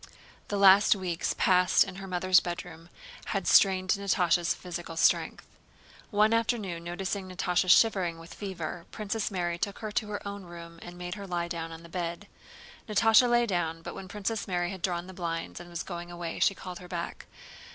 The last weeks passed in her mother's bedroom had strained Natásha's physical strength. One afternoon noticing Natásha shivering with fever, Princess Mary took her to her own room and made her lie down on the bed. Natásha lay down, but when Princess Mary had drawn the blinds and was going away she called her back.